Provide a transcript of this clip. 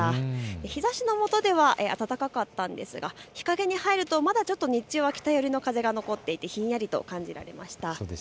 日ざしの下では暖かかったんですが日陰に入るとまだ日中は北寄りの風が残っていてひんやりとしました。